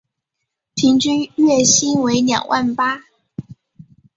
平均月薪为两万八